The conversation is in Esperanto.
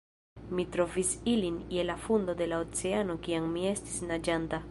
Mi trovis ilin je la fundo de la oceano kiam mi estis naĝanta